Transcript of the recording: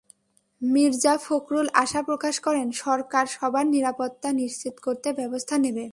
মির্জা ফখরুল আশা প্রকাশ করেন, সরকার সবার নিরাপত্তা নিশ্চিত করতে ব্যবস্থা নেবে।